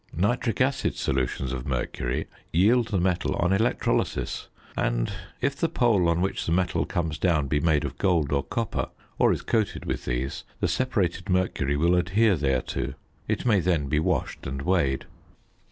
Nitric acid solutions of mercury yield the metal on electrolysis; and, if the pole on which the metal comes down be made of gold or copper, or is coated with these, the separated mercury will adhere thereto. It may then be washed and weighed.